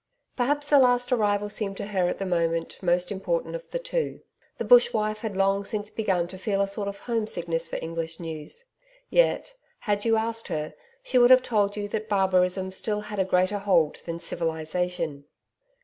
Perhaps the last arrival seemed to her at the moment most important of the two. The bush wife had long since begun to feel a sort of home sickness for English news. Yet, had you asked her, she would have told you that barbarism still had a greater hold than civilisation.